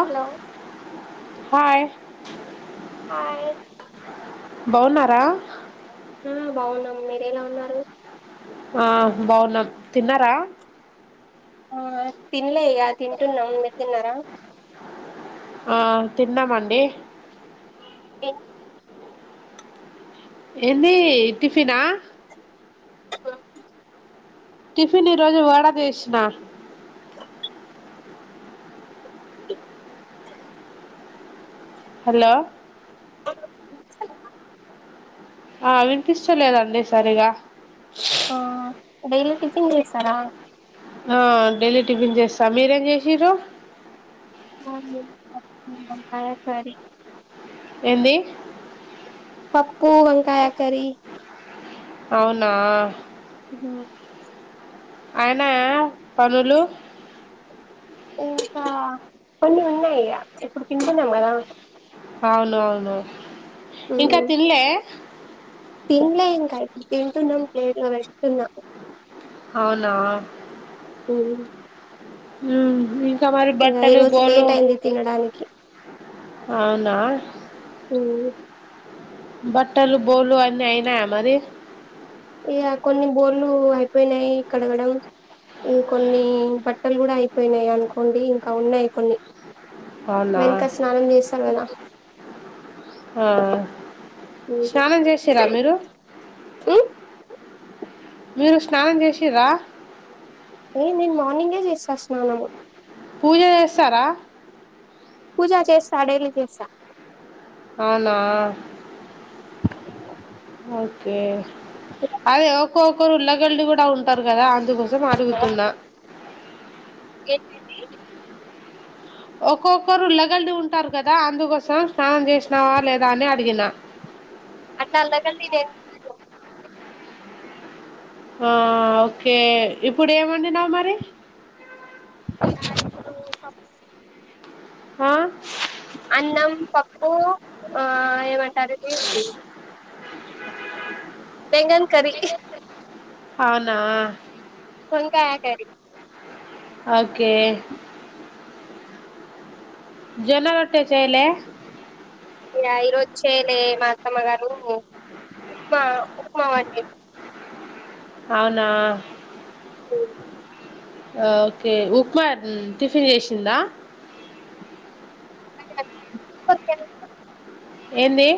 hello hi hi బావున్నారా మ్ బావున్నాం మీరు ఎలా ఉన్నారు ఆ బావున్నం తిన్నారా ఆ తినలే ఇగ తింటున్నాం మీరు తిన్నారా ఆ తిన్నామండి ఏ ఎంది టిఫిన టిఫిన్ ఈ రోజు వడ చేసిన త హలో [inaudible] ఆ విన్పిస్తలేదండి సరిగా ఆ డైలీ టిఫిన్ చేస్తరా ఆ డైలీ టిఫిన్ చేస్తా మీరేం చేసిరు ఆ వంకాయ కర్రీ ఎంది పప్పు వంకాయ కర్రీ అవునా హ అయినాయ పనులు ఇంకా కొన్ని ఉన్నాయి ఇప్పుడు తింటున్నాం కదా అవునవును ఇంకా తిి న్లే తిన్లే ఇంక తింటన్నా ప్లేట్లో పెట్టుకున్న అవునా ఉ ఇంకా మరి బట్టలు రోజు బోలు లేట్ అయింది తినడానికి అవునా హు బట్టలు బోలు అయన్నిీ అయినాయా మరి ఇగ కొన్ని బోర్లు అయిపోయినాయి కడగడం ఇం కొన్ని బట్టలు కూడ అయిపోయినాయి అనుకోండి ఇంకా ఉన్నాయి కొన్ని అవునా వెనుక స్నానం చేస్తారు కద హ స్నానం చేసిరా మీరు ఉమ్ మీరు స్నానం చేసి ర్రా ఏ నేను మార్నింగే చేసినా స్నానము పూజ చేస్తార పూజ చేస్త డైలీ చేస్త అవునా ఓకే అదే ఒక్క ఒక్కరుల్గళ కూడా ఉంటారు కదా అందుకోసం అడుగుతున్నా ఏంటండి ఒక్కొక్కరు లగల్డి ఉంటారు కదా అందుకోసం స్నానం చేసినావ లేదా అని అడిగిన [inaudible] అట్టు అలాగడి నే న్ చేయ హ ఓకే ఇప్పుడు ఏమండినావు మరి పప్ హ అన్నం పప్పు ఆ ఏమంటారు ఇది బెంగన్ కర్రీ అవునా వంకాయ కర్రీ అవుకే జొన్న రొట్టె చేయలే య ఈరోజు చేయలే మా అత్తమ్మ గారు ఉప్మా ఉప్మా వండింది అవునా ఏం ఓకే ఉప్మా ఎట్న్ టిఫిన్ చేసిందా అక్క క్యారట్ ఉప్మా ఉప్మా క్యారెట్ ఎంది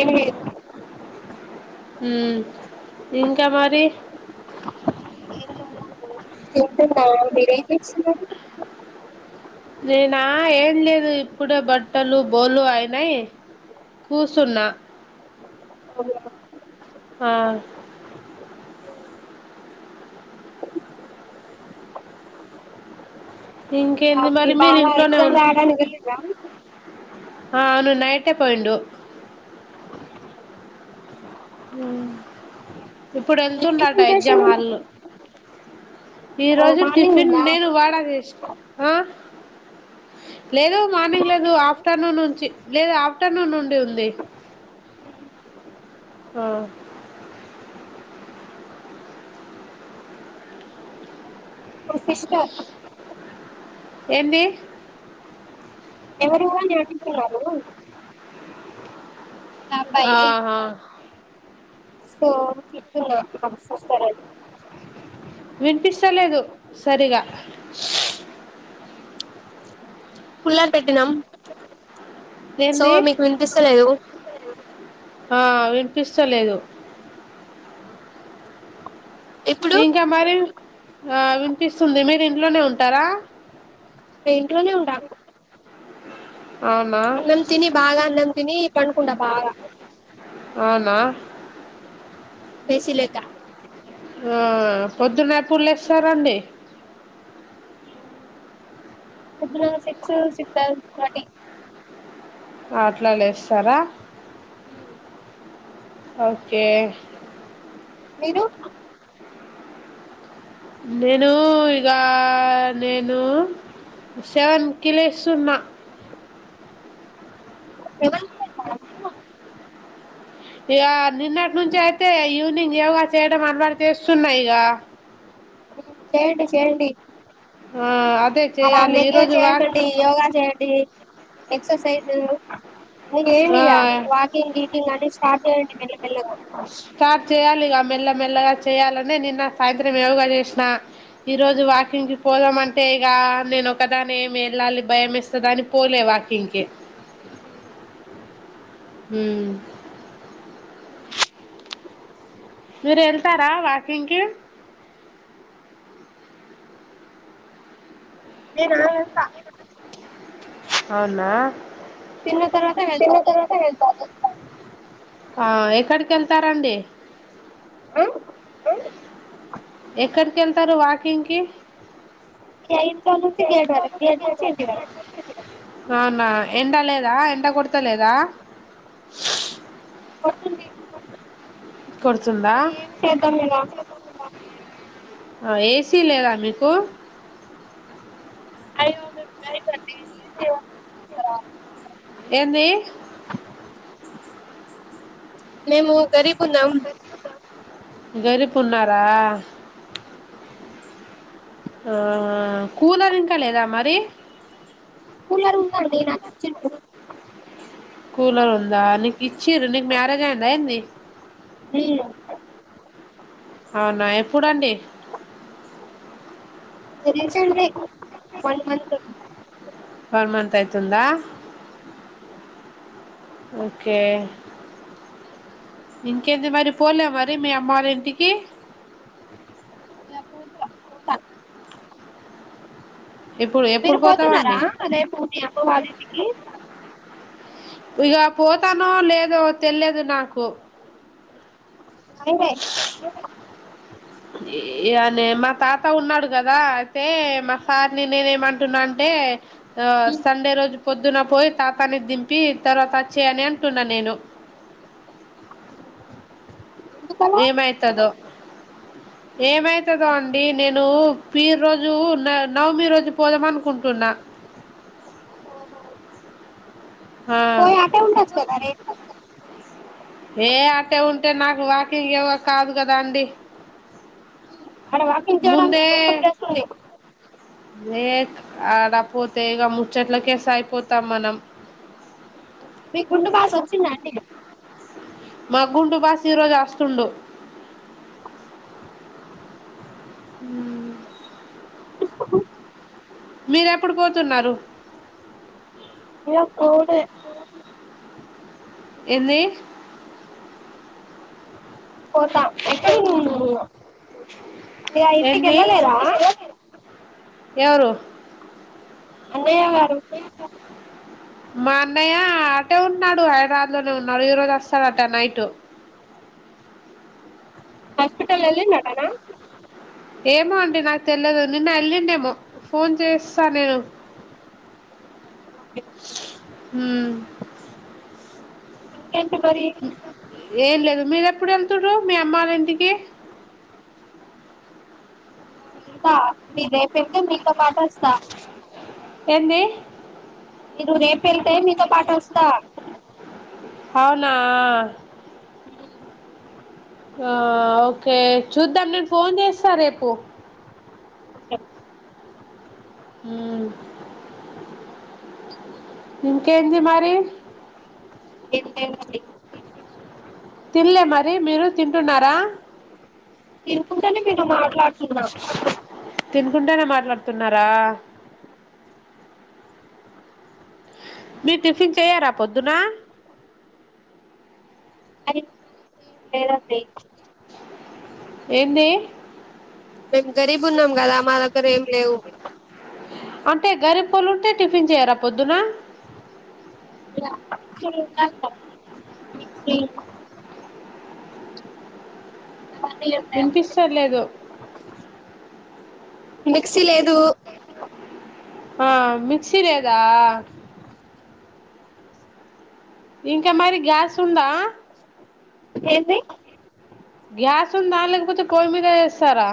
ఎంలేదు మ్ ఇంకా మరి ఉ తింటున్న మీరేం చేస్తున్నారు నేనా ఏం లేదు ఇప్పుడే బట్టలు బోలు అయినయి కూసున్నా ఆ ఇంకేంది మి మరి మీరు బావ ఇంట్లోనే ఎగ్జామ్ ఉన్ రాయడానికి ఎళ్ళిండ ఆ అవును నైటే పోయిండు మ్ ఇప్పుడు ఏంటి ఎళ్తుండట ప్రెజెంటేషన్ ఎగ్జామ్ హాల్లో ఈ ఓ రోజు మార్నింగ్ టిఫిన్ ఉందా నేను వాడ చేస్ ఆ లేదు మార్నింగ్ లేదు ఆఫ్టర్నూన్ నుంచి లేదు ఆఫ్టర్నూన్ నుండి ఉంది ఆ [inaudible] మా సిస్టర్ ఎంది ఎవరు అని అడుగుతున్నారు ఆ అబ్బాయి ఆహా సో చెప్తున నాకు సిస్టర్ అని వినిపిస్తలేదు సరిగా కుల్లర్ పెట్టిన్నం సో ఏంది మీకు వినిపిస్తలేదు ఆ వినిపిస్తలేదు ఇప్పుడు ఇంకా మరి ఆ వినిపిస్తుంది మీరు ఇంట్లోనే ఉంటారా ఇంట్లోనే ఉండాము అ అన్నం తిని బాగా అన్నం తిని పన్ కుండ బాగ అవునా ఏసి లేక ఆ పొద్దున ఎప్పుడు లేస్తారండి పోద్దున సిక్స్ సిక్స్ థటీ అట్లా లేస్తారా మ్ ఓకే మీరు నేను ఇగ నేను సెవెన్కి లేస్తున్నా సెవన్కు లేస్తరా ఇగ నిన్నటి నుంచి అయితే ఈవినింగ్ యోగా చేయడం అలవాటు చేస్తున్నా ఇగ చేయండి చేయండి హ అలా నెగ్లెట్ చేయకండి యోగా చేయండి ఎక్సర్సైజ్ ఆ నేిీక వాకింగ్ వకకింగ్ అన్ని స్టార్ట్ చేయండి మెల్ల మెల్లగా స్టార్ట్ చేయ్యాలి ఇక మెల్లమెల్లగా చేయాలని నిన్న సాయంత్రం ఏవగా చేసిన ఈ రోజు వాకింగ్ కి పోదాంమంటే ఇంకా నేను ఒకదాని ఏమి వెళ్ళాలి భయం వేస్తదని పోలే వాకింగ్కి మ్ మీరు వెళ్తార వాకింగ్కిి నేనా వెళ్తా అవునా తిన్న తర్వాత వెళ్తా ఆ ఆ ఎక్కడికి వెళ్తారండి ఎక్కడికి వెళ్తారు వాకింగ్కిి ఇంట్లో నుంచి గేట్ వరకు గేట్ నుంచి ఇంటి వరకు అవునా ఎండ లేదా ఎండ కొడత లేదా వస్తుంది కుడుతుందా ఏమ్ చేద్దమిగ ఆ ఏసీ లేదా మీకు అయి ఉండవ్ గా ఎంది మేము గరీబ్ ఉన్నాం గరిపు ఉన్నారా ఆ కూలర్ ఇంకా లేదా మరి కూలర్ ఉందండి నాకి చిన్ కూలర్ ఉందా నీకు ఇచ్చి రు నీకు మ్యారేజ్ అయి్యందా ఏంది ఛీ అవునా ఎప్పుడండి రీసెంట్లి వన్ మంత వన్మంత్ అయితుందా ఓకే ఇంకేంది మరి పోలే మరి మీ అమ్మల ఇంటికి ఇప్పుడు మీరు ఎప్పుడు పోతున్నార పోతావండి అదే రేపు మీ అమ్మ వాళ్ళింటికి ఇక పోతానో లేదో తెలియదు నాకు అయినయి ఆ అనే మా తాత ఉన్నాడు కదా అయితే మా సార్ని నేనేమంటున్నా అంటే ఆ సండే రోజు పొద్దున పోయి తాతాని దింపి తర్వాత వచ్చేయని అంటున్నా నేను ఆ ఎందుకలా ఏమయిత దో ఏమయితదో అండి నేను మీ రోజు న నవమి రోజు పోదామనుకుంటున్నా ఆ పోయి అటే ఉండొచ్ కద రే ఏ అటే ఉంటే నాకు వాకింగ్ ఇవ కాదు కదా అండి ఆడ వాకింగ్ చేయడానికి మస్తు ప్లేస్ ఉంది లే ఆడపోతే ఇక ముచ్చట్లకే సరిపోతాం మనం ఆ మీ గుండు బాస్ వచ్చిందండి మా్ గుండు బాస్ ఈరోజు వస్తుండు మ్ మీరెప్పుడు పోతున్నారు ఏ పోలె ఎంది పోతా ఎక్కడున్నావ్ నువ్వు ఇగ ఇంటికి ఎంది వెళ్ళలేదా ఎవరు అన్నయ్య గారు [inaudible] మా అన్నయ్య అటే ఉన్నాడు హైదరాబాద్ లోనే ఉన్నాడు ఈ రోజు వస్తాడట నైట్ [inaudible] హాస్పిటల్ల్ వెళ్లిందటనా ఏమో అండి నాకు తెలియదు నిన్న వెళ్ళండేమో ఫోన్ చేస్తా నేను హుమ్ ఇంకేంటి మరి ఏం లేదు మీరెప్పుడు వెళ్తుారు మీ అమ్మల ఇంటికి వెళ్తా ఇంక మీ రేపంటే మీతో పాటు వస్తా ఎంది మీరు రేపు వెళ్తే మీతో పాటు వస్తా అవునా ఆ ఓకే చూద్దాం నేను ఫోన్ చేస్తా రేపు ఉ ఇంకేంది మరి ఇంకేంటి తిన్లే మరి మీరు తింటున్నార తినుకుంటేనే మీతో మాట్లాడుతున్నా తినుకుంటేనే మాట్లాడుతున్నరా మీరు టిఫిన్ చెయ్యారా పొద్దున అది లేదండి ఎంది మేము గరీబున్నాం కదా మా దగ్గర ఏం లేవు అంటే గరిబ్ వాల్లు ఉంటే టిఫిన్ చేయరా పొద్దునా మేమ్ చెయ్యం వినిపిస్తర్లేదు మిక్సీ లేదు ఆ మిక్సి లేదా ఇంకా మరి గ్యాస్ ఉందా ఏంది గ్యాస్ ఉందా లేకపోతే పొయ్యి మీద చేస్తారా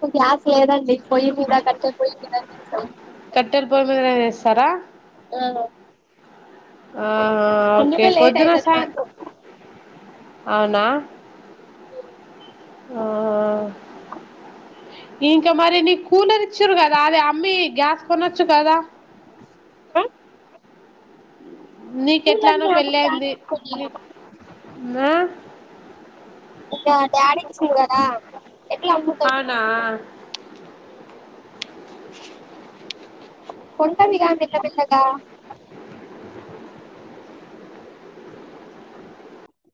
మాక్ గ్యాస్ లేదండి పోయ్యి మీద కట్టే పొయ్యి మీదనె చేస్ కట్టల్ పోయ్యి మీదనె చేస్తారా ఆ ఆాహ ఓకే లేట్ పొద్దున అయితది సాా యం మాకు అవున ఆ ఇంక మరి నీ కూలర్ ఇచ్చారు కదా అది అమ్మీ గ్యాస్ కొనొచ్చు కదా నీకెట్లానో పూలన్నీ అమ్మి పెళ్ళైంది గ్యాస్ నీ ఆ ఇంగ డాడీకి చూడారా అవునా కొంటాదిగా మెల్ల మెల్లగా